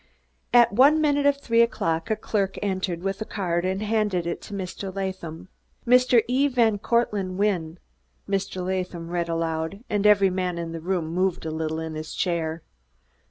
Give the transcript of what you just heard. At one minute of three o'clock a clerk entered with a card, and handed it to Mr. Latham. "'Mr. E. van Cortlandt Wynne,'" Mr. Latham read aloud, and every man in the room moved a little in his chair.